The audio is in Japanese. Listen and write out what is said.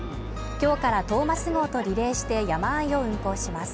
今日からトーマス号とリレーして山あいを運行します